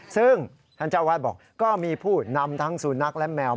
ซึ่งท่านเจ้าวาดบอกก็มีผู้นำทั้งสุนัขและแมว